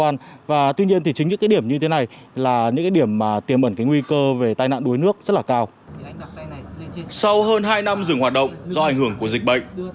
sau hơn hai năm dừng hoạt động do ảnh hưởng của dịch bệnh